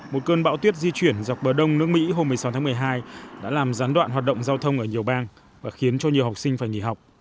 một cơn bão tuyết di chuyển dọc bờ đông nước mỹ hôm một mươi sáu tháng một mươi hai đã làm gián đoạn hoạt động giao thông ở nhiều bang và khiến cho nhiều học sinh phải nghỉ học